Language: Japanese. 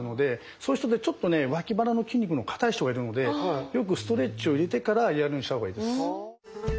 そういう人でちょっとねわき腹の筋肉の硬い人がいるのでよくストレッチをいれてからやるようにした方がいいです。